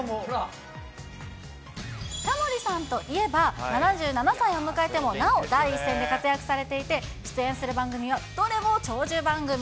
タモリさんといえば、７７歳を迎えてもなお、第一線で活躍されていて、出演する番組はどれも長寿番組。